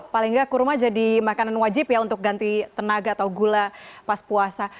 paling nggak kurma jadi makanan wajib ya untuk ganti tenaga atau gula pas puasa